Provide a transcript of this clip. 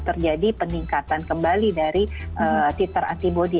terjadi peningkatan kembali dari titer antibody